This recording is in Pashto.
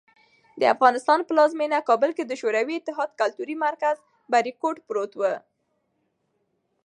د افغانستان پلازمېنه کابل کې د شوروي اتحاد کلتوري مرکز "بریکوټ" پروت و.